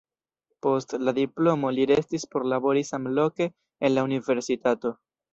Post la diplomo li restis por labori samloke en la universitato.